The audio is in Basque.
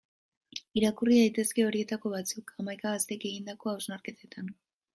Irakurri daitezke horietako batzuk, hamaika gaztek egindako hausnarketetan.